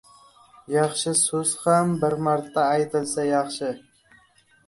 • Yaxshi so‘z ham bir marta aytilsa yaxshi.